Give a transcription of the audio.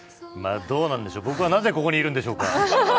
どうなんでしょう、僕はなぜここにいるんでしょうか。